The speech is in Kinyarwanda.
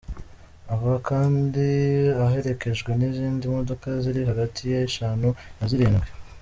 Aba kandi aherekejwe n’izindi modoka ziri hagati y’eshanu na zirindwi.